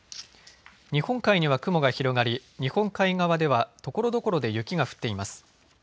日本海には雲が広がり日本海側ではところどころで雪が降っています。